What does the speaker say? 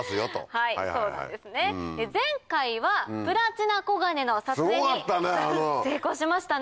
はいそうなんですね。前回はプラチナコガネの撮影に成功しましたね。